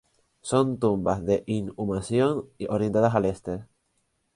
Son tumbas de inhumación orientadas al este.